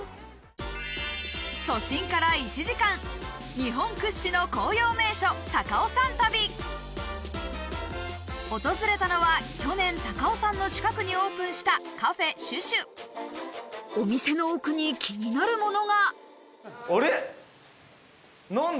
日本屈指の紅葉名所訪れたのは去年高尾山の近くにオープンしたお店の奥に気になるものがあれ⁉何だ？